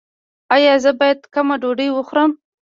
ایا زه باید کمه ډوډۍ وخورم؟